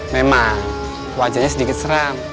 memang wajahnya sedikit seram